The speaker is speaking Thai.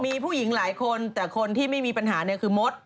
มีผู้หญิงหลายคนแต่คนที่ไม่มีปัญหาเนี่ยคือมด